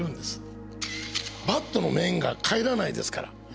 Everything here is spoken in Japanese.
バットの面が返らないですから。